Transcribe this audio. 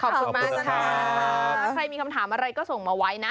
ขอบคุณมากนะคะถ้าใครมีคำถามอะไรก็ส่งมาไว้นะ